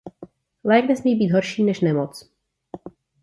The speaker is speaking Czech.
Lék nesmí být horší než nemoc.